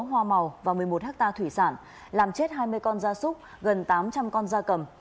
hoa màu và một mươi một hectare thủy sản làm chết hai mươi con da súc gần tám trăm linh con da cầm